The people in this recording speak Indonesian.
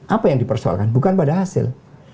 apa yang dipersoalkan bukan pada hasil